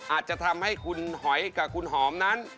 อาจจะทำให้คุณหอยกับคุณหอมนั้น